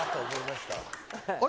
あれ？